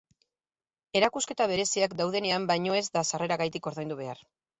Erakusketa bereziak daudenean baino ez da sarreragatik ordaindu behar.